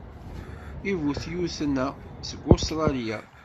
Ibutyuten-a seg Ustṛalya.